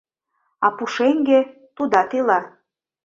А пушеҥге — тудат ила